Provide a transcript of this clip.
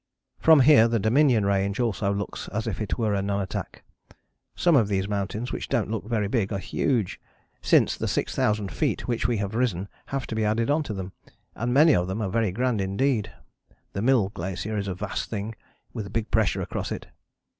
From here the Dominion Range also looks as if it were a nunatak. Some of these mountains, which don't look very big, are huge (since the six thousand feet which we have risen have to be added on to them), and many of them are very grand indeed. The Mill Glacier is a vast thing, with big pressure across it.